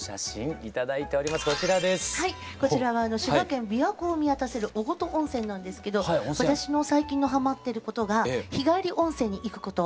こちらは滋賀県琵琶湖を見渡せる雄琴温泉なんですけど私の最近のハマってることが日帰り温泉に行くこと。